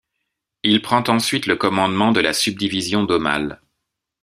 Il prend ensuite le commandement de la subdivision d'Aumale.